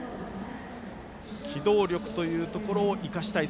機動力というところを生かしたい。